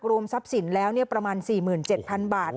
รวมทรัพย์สินแล้วเนี่ยประมาณสี่หมื่นเจ็ดพันบาท